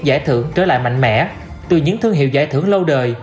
giải thưởng trở lại mạnh mẽ từ những thương hiệu giải thưởng lâu đời